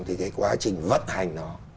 thì cái quá trình vận hành nó